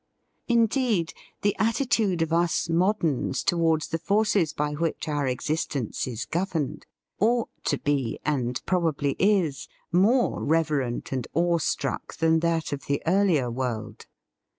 Indeed, the attitude of us moderns towards the forces by which our exist THE FEAST OF ST FRIEND ence is governed ought to be, and prob ably is, more reverent and awe struck than that of the earlier world.